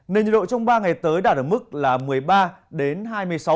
nền nhiệt độ trong ba ngày tới đạt ở mức là một mươi ba hai mươi sáu độ